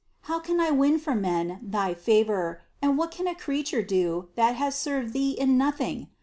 How can I win for men thy favor, and what can a creature do, that has served Thee in nothing?